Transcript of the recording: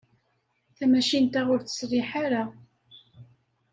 Tamacint-a ur teṣliḥ ara.